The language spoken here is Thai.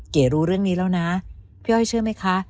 รู้เรื่องนี้แล้วนะพี่อ้อยเชื่อไหมคะ